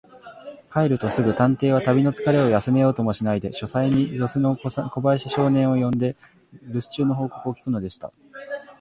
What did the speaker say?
帰るとすぐ、探偵は旅のつかれを休めようともしないで、書斎に助手の小林少年を呼んで、るす中の報告を聞くのでした。